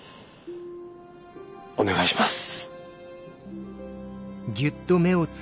お願いします。